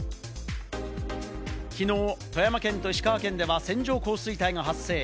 きのう富山県と石川県では線状降水帯が発生。